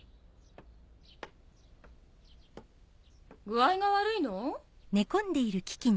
具合が悪いの？